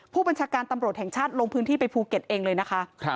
ผู้บัญชาการตำรวจแห่งชาติลงพื้นที่ไปภูเก็ตเองเลยนะคะ